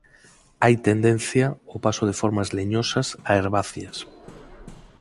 Hai tendencia ao paso de formas leñosas a herbáceas.